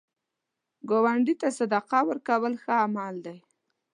ګاونډي ته صدقه ورکول ښه عمل دی